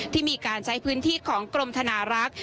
ที่มีการใช้พื้นที่ของกรมธนารักษ์